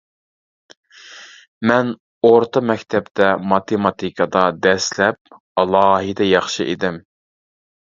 مەن ئورتا مەكتەپتە ماتېماتىكىدا دەسلەپ ئالاھىدە ياخشى ئىدىم.